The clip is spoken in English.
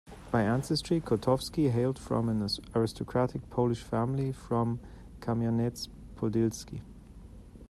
By ancestry, Kotovsky hailed from an aristocratic Polish family from Kamyanets-Podilsky.